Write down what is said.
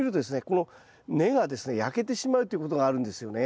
この根がですね焼けてしまうということがあるんですよね。